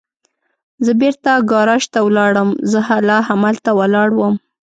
زه بېرته ګاراج ته ولاړم، زه لا همالته ولاړ ووم.